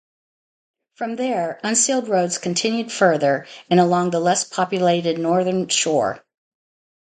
From there, unsealed roads continue further and along the less populated northern shore.